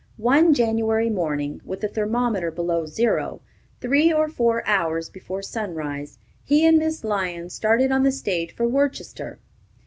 One January morning, with the thermometer below zero, three or four hours before sunrise, he and Miss Lyon started on the stage for Worcester.